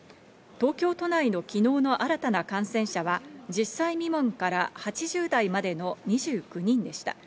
東京都内の昨日の新たな感染者は１０歳未満から８０代までの２９人でした。